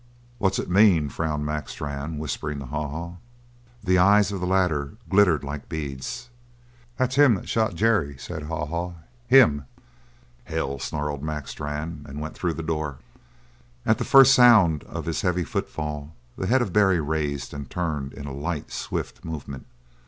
"What's it mean?" frowned Mac Strann, whispering to Haw Haw. The eyes of the latter glittered like beads. "That's him that shot Jerry," said Haw Haw. "Him!" "Hell!" snarled Mac Strann, and went through the door. At the first sound of his heavy footfall, the head of Barry raised and turned in a light, swift movement.